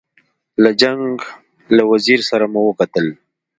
له جنګ له وزیر سره مو وکتل.